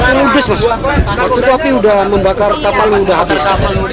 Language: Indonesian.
api lubis waktu itu api sudah membakar kapal api kapal sudah habis